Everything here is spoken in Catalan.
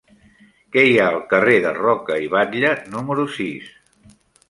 Què hi ha al carrer de Roca i Batlle número sis?